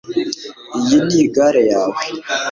iyi ni gare yawe